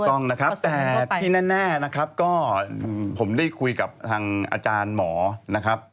ต้องนะครับแต่ที่แน่นะครับก็ผมได้คุยกับทางอาจารย์หมอนะครับ